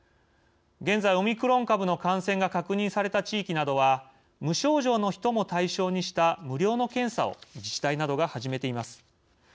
現在、オミクロン株の感染が確認された地域などは無症状の人も対象にした無料の検査を自治体などが始めています。